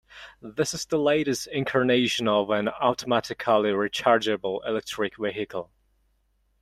This is the latest incarnation of an automatically rechargeable electric vehicle.